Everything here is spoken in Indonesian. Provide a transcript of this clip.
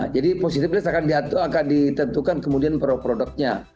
jadi positive list akan ditentukan kemudian produk produknya